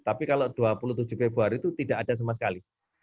tapi kalau dua puluh tujuh februari itu tidak ada sama sekali